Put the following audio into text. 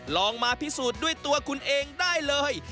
ลองมาพิสูจน์ด้วยตัวคุณเองได้เลย